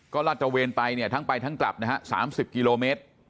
ก็ลาดตระเวนไปเนี่ยทั้งไปทั้งกลับนะฮะ๓๐กิโลเมตร